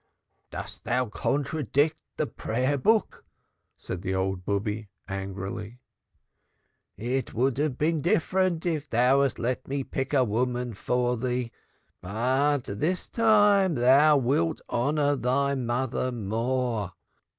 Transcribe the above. "Dost thou contradict the Prayer book?" said the Bube angrily. "It would have been different if thou hadst let me pick a woman for thee. But this time thou wilt honor thy mother more.